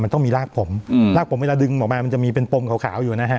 มันต้องมีรากผมอืมรากผมเวลาดึงออกมามันจะมีเป็นปมขาวอยู่นะฮะ